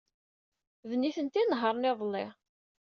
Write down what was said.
D nitenti ay inehṛen iḍelli.